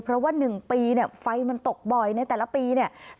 เพราะว่า๑ปีเนี่ยไฟมันตกบ่อยในแต่ละปีเนี่ย